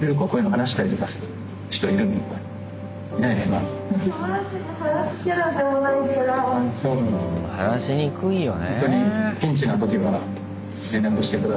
話しにくいよねえ。